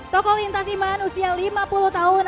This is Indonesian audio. toko lintas iman usia lima puluh tahun